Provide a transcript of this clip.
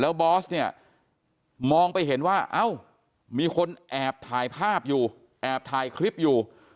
บอสเนี่ยมองไปเห็นว่าเอ้ามีคนแอบถ่ายภาพอยู่แอบถ่ายคลิปอยู่